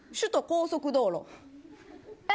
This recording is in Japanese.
首都高速道路。